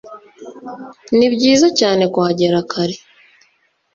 nibyiza cyane kuhagera kare